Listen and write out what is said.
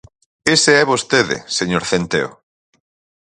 Ese é vostede, señor Centeo.